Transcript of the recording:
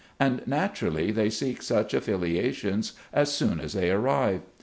And naturally they seek such affiliations as soon as they arrive.